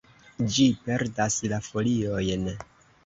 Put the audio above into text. Ĝi perdas la foliojn.